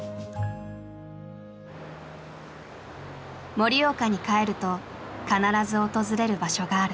盛岡に帰ると必ず訪れる場所がある。